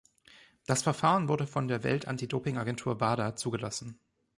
Das Verfahren wurde von der Welt-Anti-Doping-Agentur Wada zugelassen.